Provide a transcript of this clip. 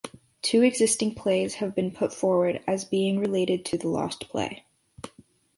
Two existing plays have been put forward as being related to the lost play.